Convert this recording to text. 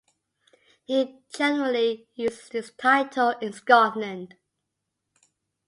He generally uses this title in Scotland.